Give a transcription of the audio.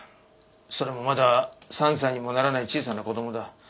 それもまだ３歳にもならない小さな子供だ。